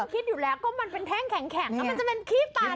คิดอยู่แล้วก็มันเป็นแท่งแข็งแล้วมันจะเป็นขี้ปาก